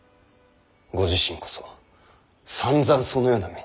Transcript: ご自身こそさんざんそのような目に。